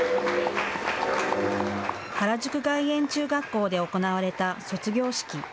原宿外苑中学校で行われた卒業式。